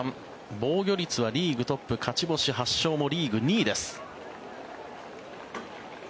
防御率はリーグトップ勝ち星８勝もリーグ２位です。